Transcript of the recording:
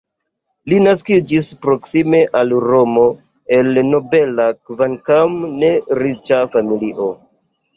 Li naskiĝis proksime al Romo el nobela, kvankam ne riĉa familio.